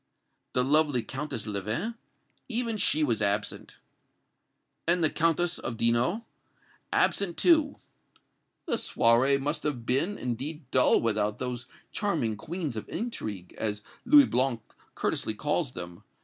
"The lovely Countess Leven " "Even she was absent." "And the Countess of Dino?" "Absent, too." "The soirée must have been, indeed, dull without those 'charming queens of intrigue,' as Louis Blanc courteously calls them.